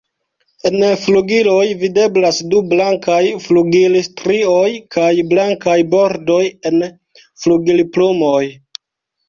En flugiloj videblas du blankaj flugilstrioj kaj blankaj bordoj en flugilplumoj.